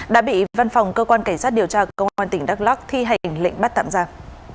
đã bị văn phòng cơ quan cảnh sát điều tra công an tỉnh đắk lóc thi hành lệnh bắt tạm giam